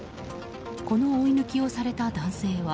この追い抜きをされた男性は。